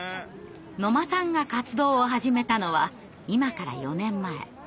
野間さんが活動を始めたのは今から４年前。